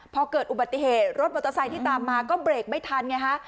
พอเกิดอุบัติเหตุรถมอเตอร์ไซค์ที่ตามมาก็เบรกไม่ทันไงฮะ